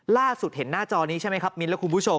ล่าสุดเห็นหน้าจอนี้ใช่ไหมครับมิ้นและคุณผู้ชม